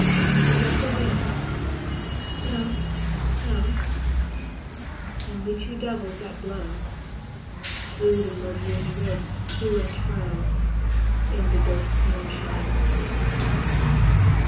Is that the wind ? No, no ; Only two devils, that blow Through the murderer's ribs to and fro. In the ghosts' moonshine.